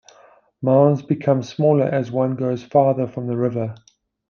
Mounds become smaller as one goes farther from the river.